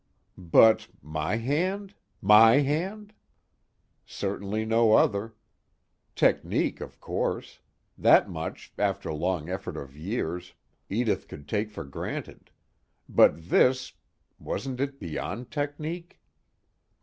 But my hand My hand? Certainly no other. Technique of course; that much, after long effort of years, Edith could take for granted. But this wasn't it beyond technique?